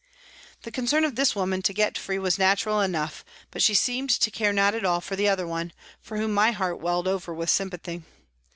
The concern of this woman to get free was natural enough, but she seemed to care not at all for the other one, for whom my heart welled over with sympathy.